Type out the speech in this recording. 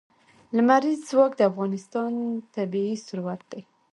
لمریز ځواک د افغانستان طبعي ثروت دی.